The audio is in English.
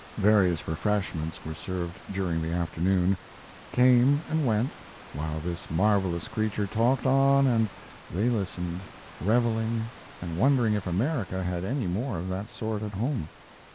Various refreshments were served during the afternoon, came and went, while this marvelous creature talked on and they listened, reveling, and wondering if America had any more of that sort at home.